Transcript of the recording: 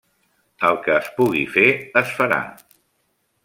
El que es pugui fer es farà.